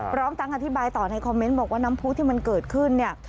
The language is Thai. พร้อมทั้งอธิบายต่อในคอมเมนต์บอกว่าน้ำผู้ที่มันเกิดขึ้นเนี่ย